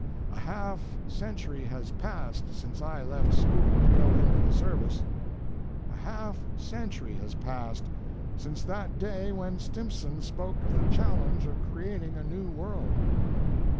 A half century has passed since I left school to go into the service. A half century has passed since that day when Stimson spoke of the challenge of creating a new world.